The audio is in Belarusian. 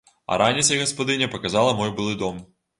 А раніцай гаспадыня паказала мой былы дом.